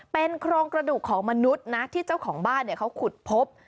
เป็นโครงกระดูกของมนุษย์นะที่เจ้าของบ้านเขาขุดพบ